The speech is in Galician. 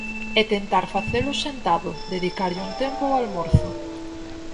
E tentar facelo sentado, dedicarlle un tempo ao almorzo.